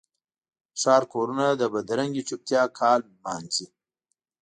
د ښار کورونه د بدرنګې چوپتیا کال نمانځي